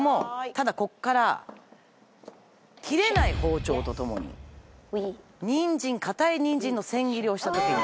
ただこっから切れない包丁とともに硬いにんじんの千切りをした時に。